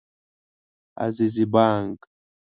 عزیزي بانګ